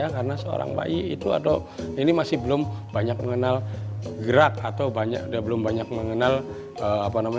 karena seorang bayi ini masih belum banyak mengenal gerak atau belum banyak mengenal hirup pikuknya dunia